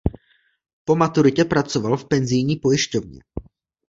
Po maturitě pracoval v penzijní pojišťovně.